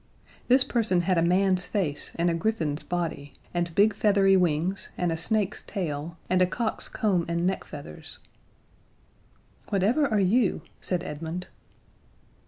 This person had a man's face and a griffin's body, and big feathery wings, and a snake's tail, and a cock's comb and neck feathers. "Whatever are you?" said Edmund.